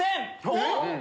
えっ！